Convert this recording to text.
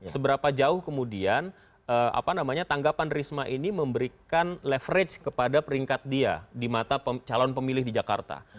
seberapa jauh kemudian tanggapan risma ini memberikan leverage kepada peringkat dia di mata calon pemilih di jakarta